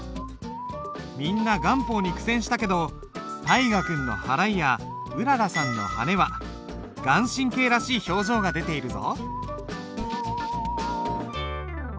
みんな顔法に苦戦したけど大河君の払いやうららさんのはねは顔真らしい表情が出ているぞ。